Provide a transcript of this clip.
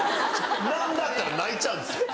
何だったら泣いちゃうんですよ。